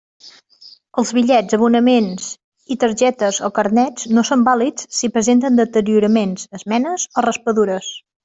Els bitllets, abonaments i targetes o carnets no són vàlids si presenten deterioraments, esmenes o raspadures.